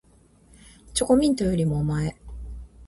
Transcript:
チョコミントよりもおまえ